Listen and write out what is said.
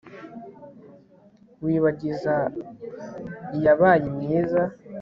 wibagiza iyabaye myiza